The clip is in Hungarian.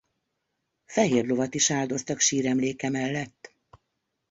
Fehér lovat is áldoztak síremléke mellett.